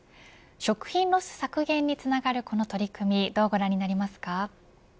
食品ロス削減につながるこの取り組みどうご覧になりますか。